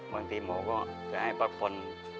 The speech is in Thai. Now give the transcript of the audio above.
บางทีหมอก็จะให้ปรับฝน